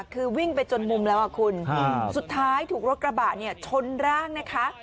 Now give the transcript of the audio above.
คือวิ่งไปจนมุมแล้วคุณสุดท้ายถูกรถกระบะเนี่ยชนร่างนะคะ